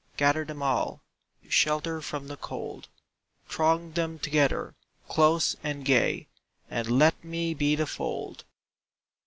Gather them all To shelter from the cold. Throng them together, close and gay, And let me be the fold!